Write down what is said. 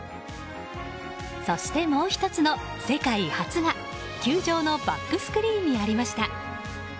そして、もう１つの世界初が球場のバックスクリーンにありました。